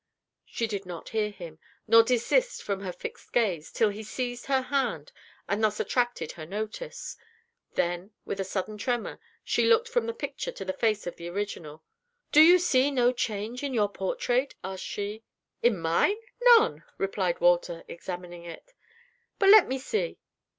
She did not hear him, nor desist from her fixed gaze, till he seized her hand, and thus attracted her notice; then, with a sudden tremor, she looked from the picture to the face of the original. "Do you see no change in your portrait?" asked she. "In mine? None!" replied Walter, examining it. "But let me see!